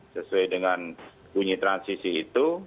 sesuai dengan bunyi transisi itu